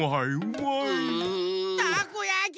たこやき！